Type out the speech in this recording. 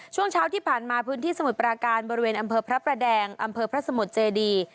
ช่วงเช้าที่ผ่านมาพื้นที่สมุทรปราการบริเวณอำเภอพระประแดงอำเภอพระสมุทรเจดี